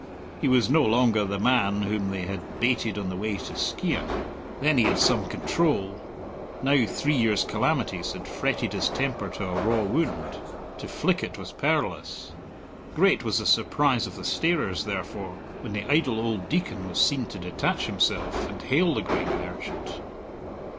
He was no longer the man whom they had baited on the way to Skeighan; then he had some control, now three years' calamities had fretted his temper to a raw wound. To flick it was perilous. Great was the surprise of the starers, therefore, when the idle old Deacon was seen to detach himself and hail the grain merchant.